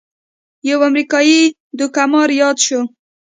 یو امریکايي دوکه مار یاد شو.